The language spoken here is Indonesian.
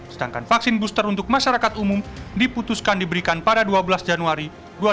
sedangkan vaksin booster untuk masyarakat umum diputuskan diberikan pada dua belas januari dua ribu dua puluh